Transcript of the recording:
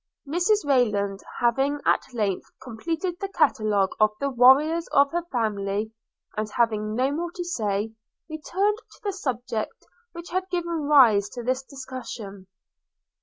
Mrs Rayland having at length completed the catalogue of the warriors of her family, and having no more to say, returned to the subject which had given rise to this discussion.